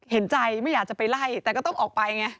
เห็นใจไม่อยากจะไปไล่แต่ก็ต้องออกไปไง